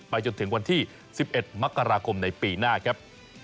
จนถึงวันที่๑๑มกราคมในปีหน้าครับ